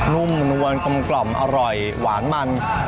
นุ่มนวลกลมอร่อยหวานมัน